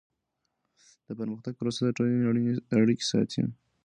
د پرمختګ پروسه د ټولني اړیکي اسانه کوي.